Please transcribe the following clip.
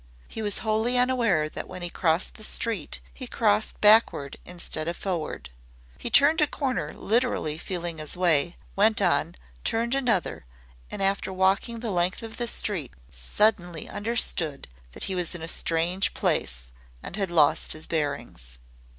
He was wholly unaware that when he crossed the street he crossed backward instead of forward. He turned a corner literally feeling his way, went on, turned another, and after walking the length of the street, suddenly understood that he was in a strange place and had lost his bearings.